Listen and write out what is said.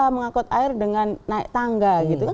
mengangkut air dengan naik tangga gitu kan